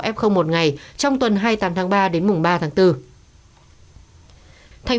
năm trăm sáu mươi sáu f một ngày trong tuần hai mươi tám tháng ba đến mùng ba tháng bốn